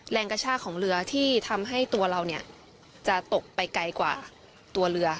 แรงกระชากของเรือที่ทำให้ตัวเราเนี่ยจะตกไปไกลกว่าตัวเรือ